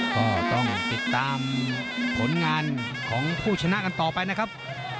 ก็ต้องติดตามผลงานของผู้ชนะกันต่อไปนะครับ